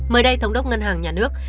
mới đây thống đốc ngân hàng nhà nước